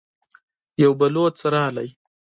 يو بلوڅ راغی.